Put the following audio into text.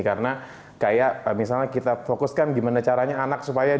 karena kayak misalnya kita fokuskan gimana caranya anak supaya dia